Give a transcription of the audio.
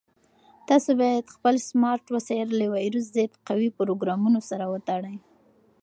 تاسو باید خپل سمارټ وسایل له ویروس ضد قوي پروګرامونو سره وساتئ.